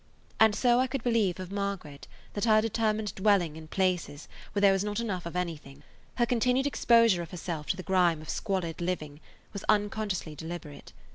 And so I could believe of Margaret that her determined dwelling in places where there was not enough of anything, her continued exposure of herself to the grime of squalid living, was unconsciously deliberate.